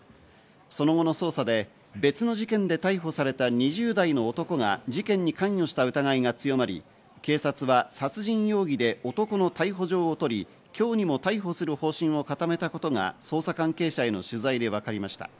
その後の捜査で別の事件で逮捕された２０代の男が事件に関与した疑いが強まり、警察は殺人容疑で男の逮捕状を取り、今日にも逮捕する方針を固めたことが捜査関係者への取材で分かりました。